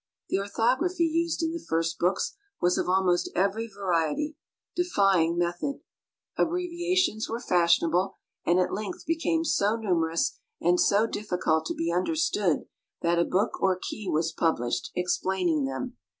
The orthography used in the first books was of almost every variety, defying method. Abbreviations were fashionable, and at length became so numerous and so difficult to be understood that a book or key was published, explaining them.